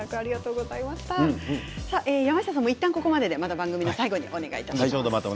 山下さんもいったんここまででまた番組の最後にお願いします。